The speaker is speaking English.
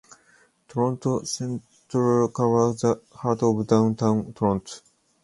Toronto Centre covers the heart of Downtown Toronto.